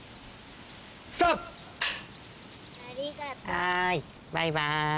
はーいバイバーイ。